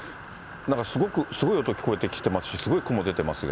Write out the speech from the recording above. なんかすごい音聞こえてきてますし、すごい雲出てますが。